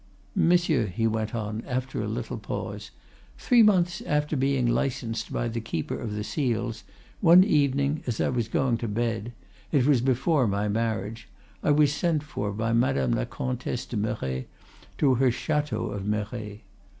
—Monsieur,' he went on after a little pause, 'three months after being licensed by the Keeper of the Seals, one evening, as I was going to bed—it was before my marriage—I was sent for by Madame la Comtesse de Merret, to her Chateau of Merret.